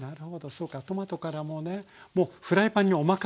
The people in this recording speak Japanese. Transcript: そうかトマトからもねもうフライパンにおまかせ。